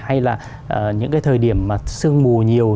hay là những cái thời điểm mà sương mù nhiều